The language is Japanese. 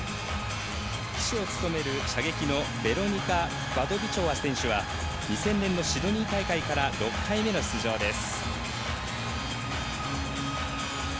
旗手を務める射撃のベロニカ・バドビチョワ選手は２０００年のシドニー大会から６回目の出場です。